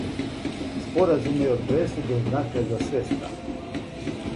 Споразум је од пресудног значаја за све стране.